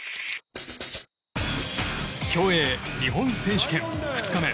競泳日本選手権、２日目。